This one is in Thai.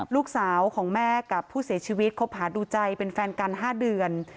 ลูกสาวของแม่กับผู้เสียชีวิตคบหาดูใจเป็นแฟนกัน๕เดือน